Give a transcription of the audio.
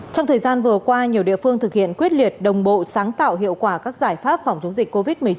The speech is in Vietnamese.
trong thời gian vừa qua nhiều địa phương thực hiện quyết liệt đồng bộ sáng tạo hiệu quả các giải pháp phòng chống dịch covid một mươi chín